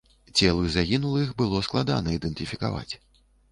Целы загінулых было складана ідэнтыфікаваць.